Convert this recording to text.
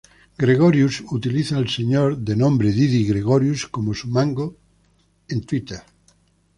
Gregorius Utiliza el Señor de nombre Didi Gregorius como su mango de Twitter.